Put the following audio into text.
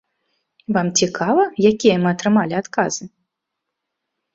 Вам цікава, якія мы атрымалі адказы?